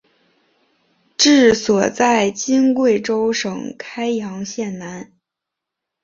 治所在今贵州省开阳县南。